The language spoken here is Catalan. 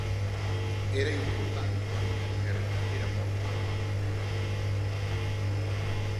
Era important, tot i que en realitat era molt normal i directa.